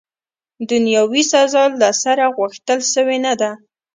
دنیاوي سزا، له سره، غوښتل سوې نه ده.